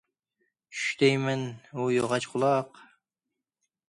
- چۈش دەيمەن، ھۇ ياغاچ قۇلاق.